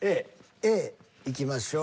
Ａいきましょう。